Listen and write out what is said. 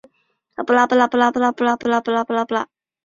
摄理教会后来状告首尔放送所做的系列报导偏颇。